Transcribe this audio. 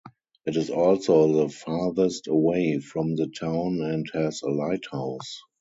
It is also the farthest away from the town and has a lighthouse.